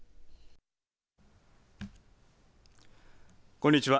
こんにちは。